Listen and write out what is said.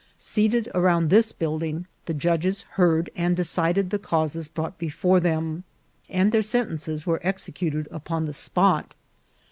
Seated around this building, the judges heard and decided the causes brought before them, and their sen tences were executed upon the spot.